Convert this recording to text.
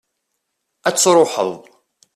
ad truḥeḍ